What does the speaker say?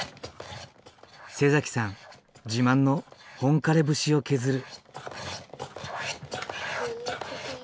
さん自慢の本枯節を削る。